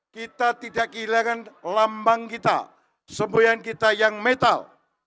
kita tidak kehilangan lambang kita semboyan kita yang metal